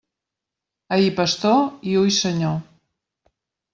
Ahir pastor i hui senyor.